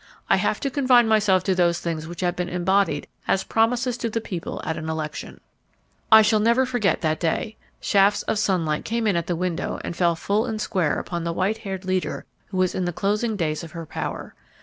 I have to confine myself to those things which have been embodied as promises to the people at an election." I shall never forget that day. Shafts of sunlight came in at the window and fell full and square upon the white haired leader who was in the closing days of her power.